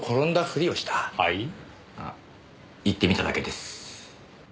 言ってみただけです。